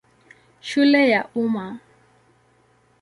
Shule ya Umma.